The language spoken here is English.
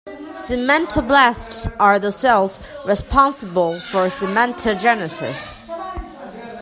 Cementoblasts are the cells responsible for cementogenesis.